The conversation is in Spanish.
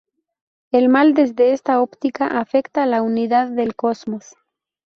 El mal desde esta óptica afecta a la unidad del cosmos.